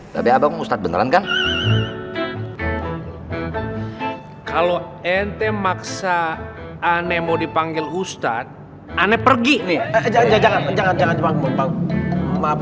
kalau ente maksa aneh mau dipanggil ustadz aneh pergi nih